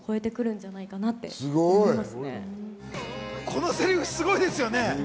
このセリフすごいですよね。